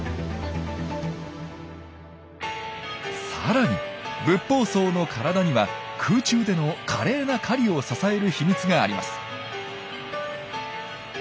さらにブッポウソウの体には空中での華麗な狩りを支える秘密があります。